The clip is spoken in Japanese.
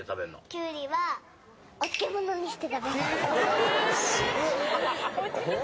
キュウリはお漬物にして食べ渋っ。